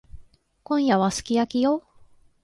今夜はすき焼きよ。